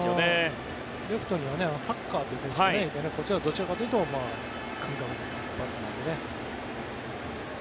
レフトにタッカーという選手もいてどちらかというとがんがん打つバッターなので。